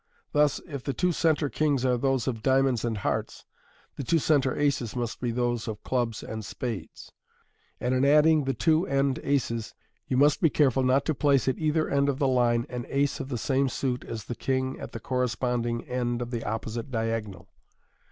Thus, if the two centre kings are those of diamonds and hearts, the two centre aces must be those of clubs and spades ; and in adding the two end aces, you must be careful not to place at either end of the line an ace of the same suit as the king at the cor responding end of the opposite diagonal.